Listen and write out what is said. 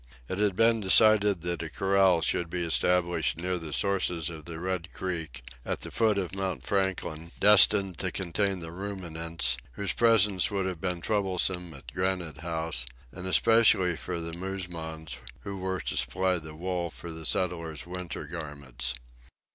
It had been decided that a corral should be established near the sources of the Red Creek, at the foot of Mount Franklin, destined to contain the ruminants, whose presence would have been troublesome at Granite House, and especially for the musmons, who were to supply the wool for the settlers' winter garments.